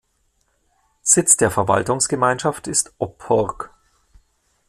Sitz der Verwaltungsgemeinschaft ist Oppurg.